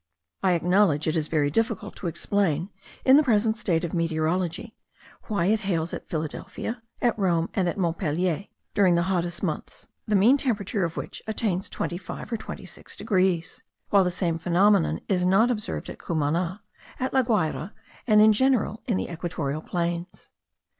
I acknowledge it is very difficult to explain, in the present state of meteorology, why it hails at Philadelphia, at Rome, and at Montpelier, during the hottest months, the mean temperature of which attains 25 or 26 degrees; while the same phenomenon is not observed at Cumana, at La Guayra, and in general, in the equatorial plains.